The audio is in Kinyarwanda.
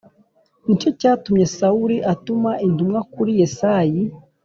Ni cyo cyatumye Sawuli atuma intumwa kuri Yesayi